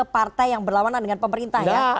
partai yang berlawanan dengan pemerintah ya